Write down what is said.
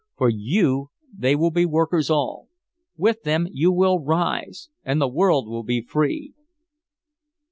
For you they will be workers all! With them you will rise and the world will be free!"